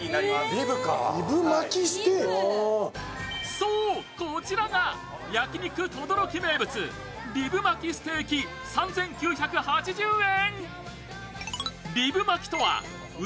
そう、こちらが焼肉とどろき名物リブマキステーキ３９８０円。